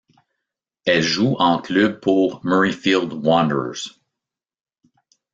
Elle joue en club pour Murrayfield Wanderers.